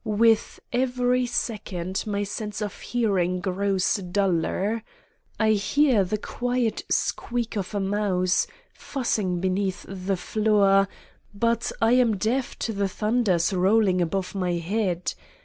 With every second my sense of hearing grows duller. I hear the quiet squeak of a mouse, fussing beneath the floor but I am deaf to the thunders rolling above my head.